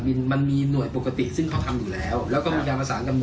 พอผมถามให้บอกว่าอยู่กรมนทำฮารให้กรมน